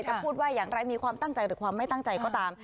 จะพูดว่าอย่างไรมีความตั้งใจหรือความไม่ตั้งใจก็ตาม